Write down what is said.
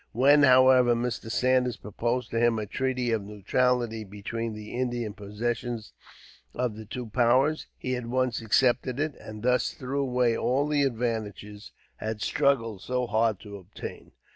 When, however, Mr. Saunders proposed to him a treaty of neutrality between the Indian possessions of the two powers, he at once accepted it; and thus threw away all the advantages, which Dupleix had struggled so hard to obtain.